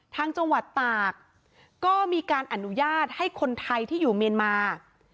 ทางจังหวัดตากก็มีการอนุญาตให้คนไทยที่อยู่เมียนมา